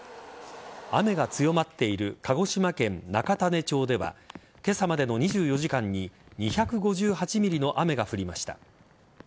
雨が強まっている鹿児島県中種子町では今朝までの２４時間に２５８ｍｍの雨が降りました。